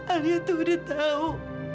alia tuh udah tahu